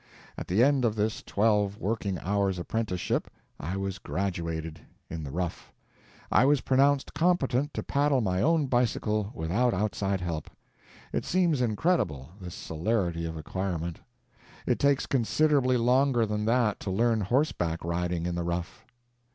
At the end of this twelve working hours' apprenticeship I was graduated—in the rough. I was pronounced competent to paddle my own bicycle without outside help. It seems incredible, this celerity of acquirement. It takes considerably longer than that to learn horseback riding in the rough.